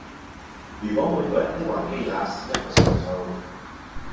如果每個人的運氣也是一個常數